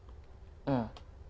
うん。